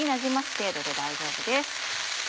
程度で大丈夫です。